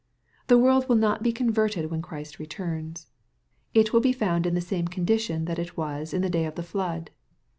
The world will not be converted when Christ returns. It will be found in the same condition that it was in the day of the flood.